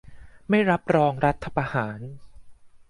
ไม่รับรองรัฐประหาร